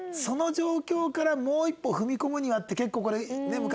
その状況からもう一歩踏み込むにはって結構これね。